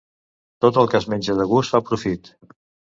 Tot el que es menja de gust fa profit.